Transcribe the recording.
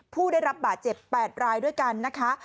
ผู้ได้รับบาดเจ็บ๘รายด้วยกันนะคะ